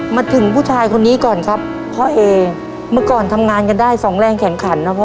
มาถึงผู้ชายคนนี้ก่อนครับพ่อเอเมื่อก่อนทำงานกันได้สองแรงแข่งขันนะพ่อ